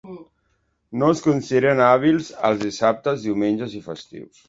No es consideren hàbils els dissabtes, diumenges i festius.